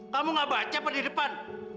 kamu nggak baca apa di depan